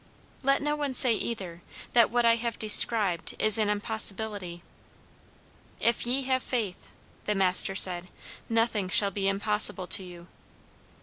Let no one say, either, that what I have described is an impossibility. "If ye have faith," the Master said, "nothing shall be impossible to you."